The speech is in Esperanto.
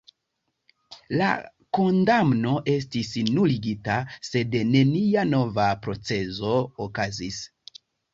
La kondamno estis nuligita, sed nenia nova procezo okazis.